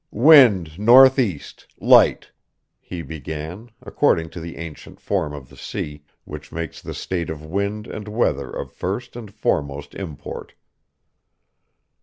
"Wind northeast, light," he began, according to the ancient form of the sea, which makes the state of wind and weather of first and foremost import.